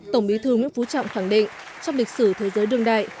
tổng bí thư nguyễn phú trọng khẳng định trong lịch sử thế giới đương đại